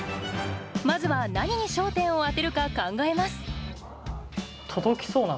まずは何に焦点を当てるか考えます